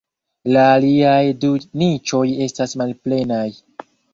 La aliaj du niĉoj estas malplenaj.